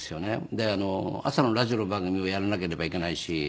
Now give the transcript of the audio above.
で朝のラジオの番組をやらなければいけないし。